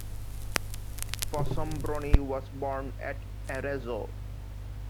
Fossombroni was born at Arezzo.